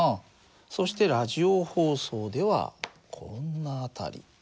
そしてラジオ放送ではこんな辺り。